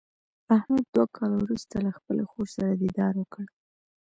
احمد دوه کاله ورسته له خپلې کورنۍ سره دیدار وکړ.